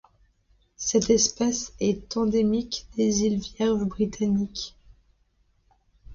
Cette espèce est endémique des îles Vierges britanniques.